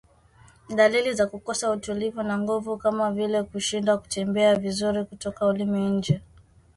Dalili za kukosa utulivu na nguvu kama vile kushindwa kutembea vizuri kutoa ulimi nje